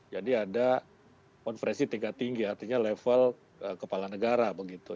jadi ada konferensi tingkat tinggi artinya level kepala negara begitu